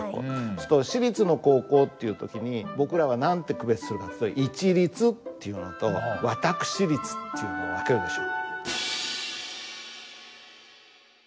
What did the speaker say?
するとシリツの高校っていう時に僕らは何て区別するかっていうと「市立」っていうのと「私立」っていうのを分けるでしょ。